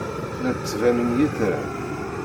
La d-ttbanen yitran.